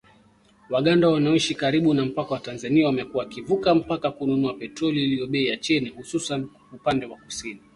Waganda wanaoishi karibu na mpaka wa Tanzania wamekuwa wakivuka mpaka kununua petroli iliyo bei ya chini , hususani upande wa kusini